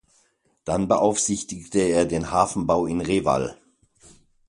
Dann beaufsichtigte er den Hafenbau in Reval.